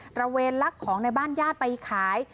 ระเวนลักของในบ้านญาติไปขาย